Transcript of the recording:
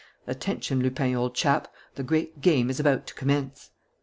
Attention, Lupin, old chap, the great game is about to commence!"